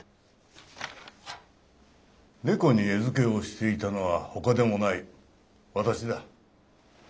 猫に餌付けをしていたのはほかでもない私だ。